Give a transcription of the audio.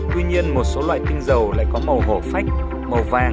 tuy nhiên một số loại tinh dầu lại có màu hổ phách màu vàng